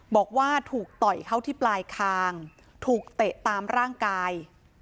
บอกว่าถูกต่อยเข้าที่ปลายคางถูกเตะตามร่างกาย